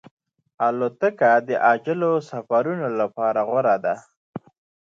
الوتکه د عاجلو سفرونو لپاره غوره ده.